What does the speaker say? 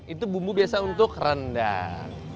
itu bumbu biasa untuk rendang